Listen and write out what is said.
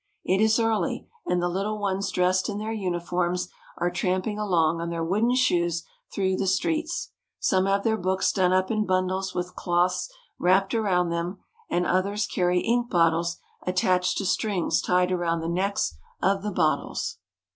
It is early, and the little ones dressed in their uniforms are tramping along on their wooden shoes through the streets. Some have their books done up in bundles with cloths wrapped about them, and others carry ink bottles attached to strings tied around the necks of the bottles.